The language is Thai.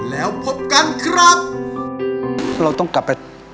แล้วพบกันครับ